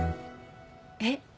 えっ？